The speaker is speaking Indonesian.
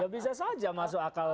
bisa saja masuk akal